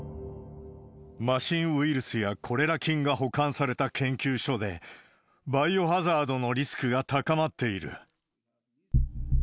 麻疹ウイルスやコレラ菌が保管された研究所で、バイオハザードのリスクが高まっている。